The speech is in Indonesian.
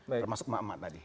termasuk emak emak tadi